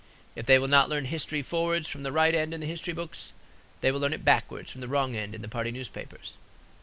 If they will not learn history forwards from the right end in the history books, they will learn it backwards from the wrong end in the party newspapers.